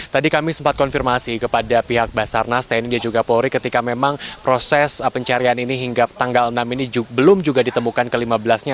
tadi kami sempat konfirmasi kepada pihak basarnas tni dan juga polri ketika memang proses pencarian ini hingga tanggal enam ini belum juga ditemukan ke lima belas nya